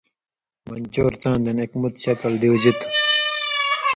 مَن چور څاں دَن ایک مُت شکَل دیُوژی تُھو،